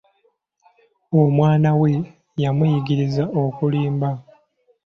Omwana we yamuyigiriza okulimba!